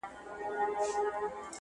o دا چي سپی دومره هوښیار دی او پوهېږي,